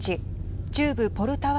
中部ポルタワ